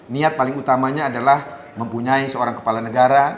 niat paling utamanya adalah mempunyai seorang kepala negara